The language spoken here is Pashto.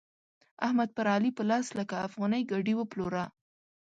احمد پر علي په لس لکه افغانۍ ګاډي وپلوره.